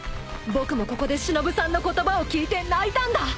僕もここでしのぶさんの言葉を聞いて泣いたんだ］